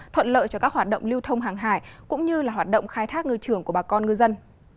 thuận lợi cho các hoạt động lưu thông hàng hải cũng như là hoạt động khai thác ngư trường của bà con ngư dân